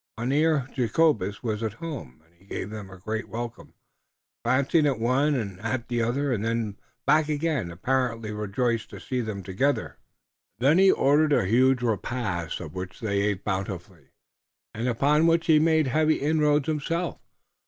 Mynheer Jacobus was at home, and he gave them a great welcome, glancing at one and at the other, and then back again, apparently rejoiced to see them together. Then he ordered a huge repast, of which they ate bountifully, and upon which he made heavy inroads himself.